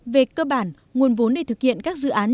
về cơ bản nguồn vốn để thực hiện các dự án